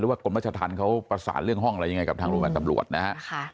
ว่ากรมราชธรรมเขาประสานเรื่องห้องอะไรยังไงกับทางโรงพยาบาลตำรวจนะฮะ